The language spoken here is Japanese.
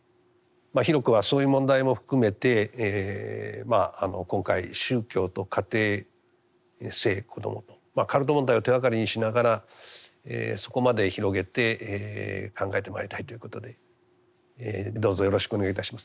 広くはそういう問題も含めて今回宗教と家庭・性・子どもとカルト問題を手がかりにしながらそこまで広げて考えてまいりたいということでどうぞよろしくお願いいたします。